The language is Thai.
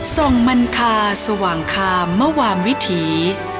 ส่งมันคาสว่างคามมวามวิถี